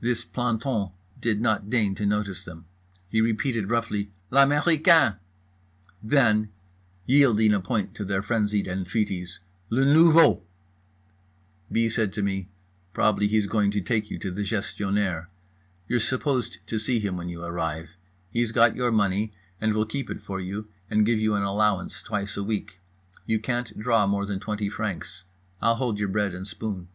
This planton did not deign to notice them. He repeated roughly "L'américain." Then, yielding a point to their frenzied entreaties: "Le nouveau." B. said to me "Probably he's going to take you to the Gestionnaire. You're supposed to see him when you arrive. He's got your money and will keep it for you, and give you an allowance twice a week. You can't draw more than 20 francs. I'll hold your bread and spoon."